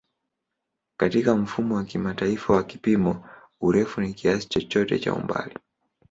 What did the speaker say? Katika Mfumo wa Kimataifa wa Vipimo, urefu ni kiasi chochote cha umbali.